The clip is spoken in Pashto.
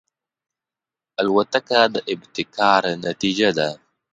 الوتکه د ابتکار نتیجه ده.